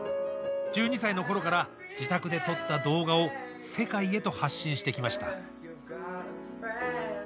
１２歳のころから自宅で撮った動画を世界へと発信してきました。